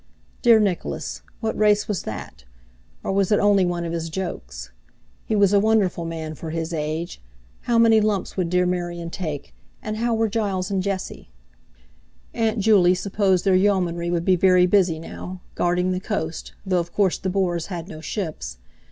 Dear Nicholas! What race was that? Or was it only one of his jokes? He was a wonderful man for his age! How many lumps would dear Marian take? And how were Giles and Jesse? Aunt Juley supposed their Yeomanry would be very busy now, guarding the coast, though of course the Boers had no ships.